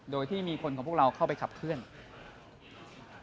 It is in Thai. โดยที่มีคนของพวกเราเข้าไปขับเคลื่อน